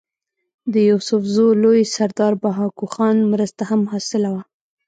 د يوسفزو لوئ سردار بهاکو خان مرسته هم حاصله وه